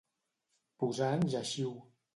Posar en lleixiu.